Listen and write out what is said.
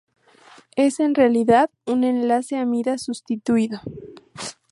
Es, en realidad, un enlace amida sustituido.